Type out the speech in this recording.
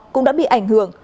cũng đã bị ảnh hưởng